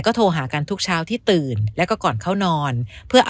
โทรหากันทุกเช้าที่ตื่นแล้วก็ก่อนเข้านอนเพื่อเอา